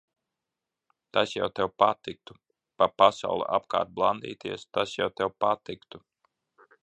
Tas jau tev patiktu. Pa pasauli apkārt blandīties, tas jau tev patiktu.